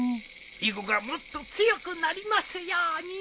囲碁がもっと強くなりますように。